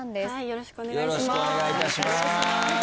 よろしくお願いします。